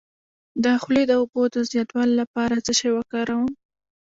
د خولې د اوبو د زیاتوالي لپاره څه شی وکاروم؟